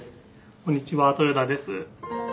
こんにちは豊田です。